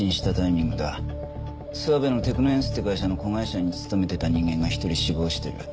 諏訪部のテクノエンスっていう会社の子会社に勤めてた人間が一人死亡してる。